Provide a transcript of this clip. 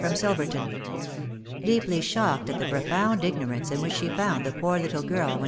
from Silveetoo* Deeply shocked at the profound ignorance; in which she' found the poor little girl when?